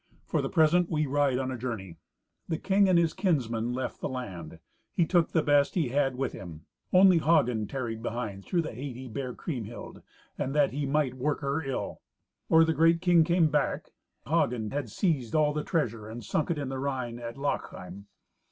For the present we ride on a journey." The king and his kinsmen left the land. He took the best he had with him. Only Hagen tarried behind through the hate he bare Kriemhild, and that he might work her ill. Or the great king came back, Hagen had seized all the treasure and sunk it in the Rhine at Lochheim.